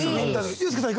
ユースケさん